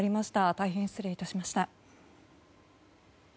大変失礼いたしました。